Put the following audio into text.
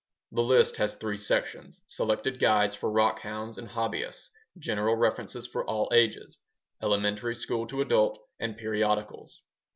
The list has three sections: selected guides for rockhounds and hobbyists, general references for all ages, elementary school to adult, and periodicals.